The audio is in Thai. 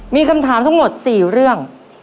มีคำถามทั้งหมด๔เรื่อง